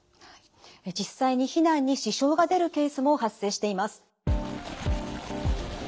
実際に避難に支障が出るケースも発生しています。